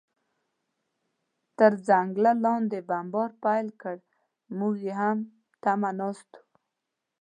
تر ځنګله لاندې بمبار پیل کړ، موږ یې هم تمه ناست و.